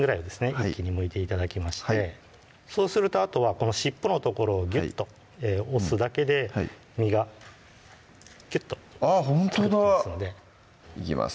一気にむいて頂きましてそうするとあとはこの尻尾の所をぎゅっと押すだけで身がきゅっと取れてきますのでいきます